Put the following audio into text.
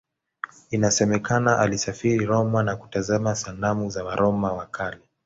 Inasemekana alisafiri Roma na kutazama sanamu za Waroma wa Kale.